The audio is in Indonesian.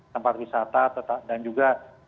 tempat wisata dan juga